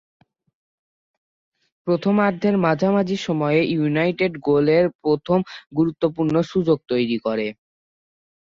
প্রথমার্ধের মাঝামাঝি সময়ে ইউনাইটেড গোলের প্রথম গুরুত্বপূর্ণ সুযোগ তৈরী করে।